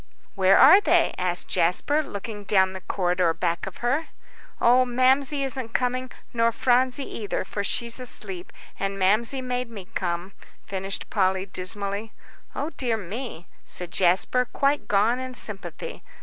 "Where are they?" asked Jasper, looking down the corridor back of her. "Oh, Mamsie isn't coming, nor Phronsie either, for she's asleep. And Mamsie made me come," finished Polly, dismally. "O dear me," said Jasper, quite gone in sympathy.